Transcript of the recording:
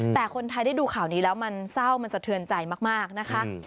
แต่คนไทยได้ดูข่าวนี้แล้วมันเศร้ามันสะเทือนใจมากนะคะ